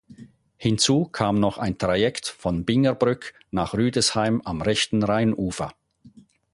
Hinzu kam noch ein Trajekt von Bingerbrück nach Rüdesheim am rechten Rheinufer.